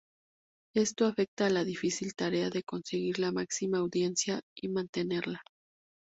Esto afecta a la difícil tarea de conseguir la máxima audiencia y mantenerla.